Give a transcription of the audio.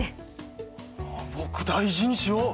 僕大事にしよう！